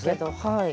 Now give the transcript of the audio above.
はい。